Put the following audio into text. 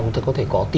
chúng ta có thể có